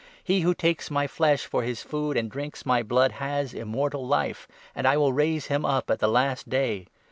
He who takes my flesh for liis food, and drinks my blood, has Immortal Life ; and I will raise him up at the Last Day.